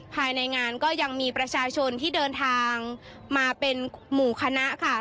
ภายในงานก็ยังมีประชาชนที่เดินทางมาเป็นหมู่คณะค่ะ